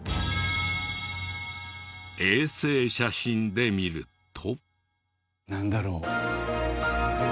衛星写真で見ると。